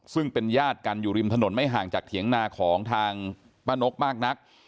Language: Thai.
ซึ่งเป็นญาติกันอยู่ริมถนนไม่ห่างจากเถียงนาของทางป้านกมากนัก